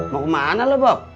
mau kemana lo bok